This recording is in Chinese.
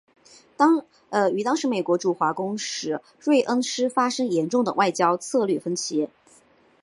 与当时美国驻华公使芮恩施发生严重的外交策略分歧。